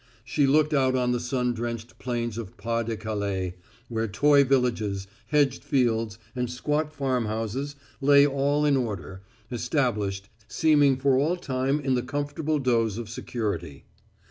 She looked out on the sun drenched plains of Pas de Calais, where toy villages, hedged fields, and squat farmhouses lay all in order, established, seeming for all time in the comfortable doze of security.